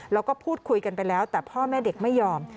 แล้วก็พูดคุยกันไปแล้วแต่พ่อแม่เด็กไม่ยอม